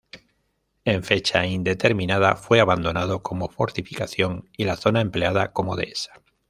En fecha indeterminada fue abandonado como fortificación y la zona empleada como dehesa.